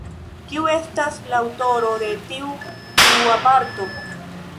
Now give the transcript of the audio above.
Kiu estas la aŭtoro de tiu dua parto?